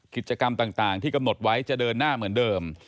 กิจกรรมต่างที่กำหนดไว้จะเดินหน้าเหมือนเดิม